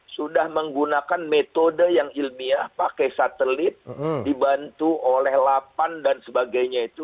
sudah menggunakan metode yang ilmiah pakai satelit dibantu oleh lapan dan sebagainya itu